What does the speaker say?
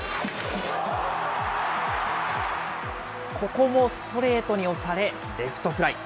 ここもストレートに押され、レフトフライ。